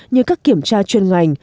như các kiểm tra chuyên ngành